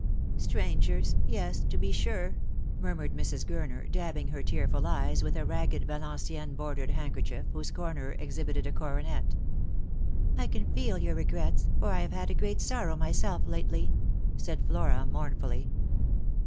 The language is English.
" Strangers — yes, to be sure," murmured Mrs. Gurner, dabbing her tearful eyes with a ragged Yalenciennes bordered handker chief, whose corner exhibited a coronet. " I can feel for your regrets, for I have had a great sorrow myself lately," said Flora mournfully.